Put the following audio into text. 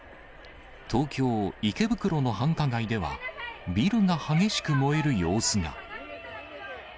東京・池袋の繁華街では、ビルが激しく燃える様子が。